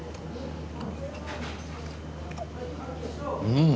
うん！